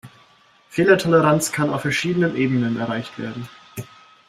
Fehlertoleranz kann auf verschiedenen Ebenen erreicht werden.